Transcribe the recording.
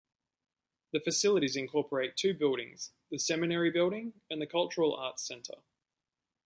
The facilities incorporate two buildings: the Seminary Building and the Cultural Arts Center.